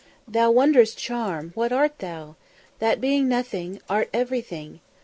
thou wondrous charm, what art thou? that being nothing art everything! .